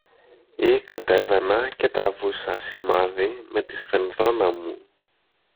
ή κατέβαινα και τραβούσα σημάδι με τη σφενδόνα μου